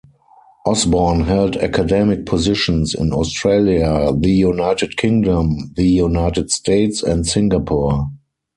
Osborne held academic positions in Australia, the United Kingdom, the United States and Singapore.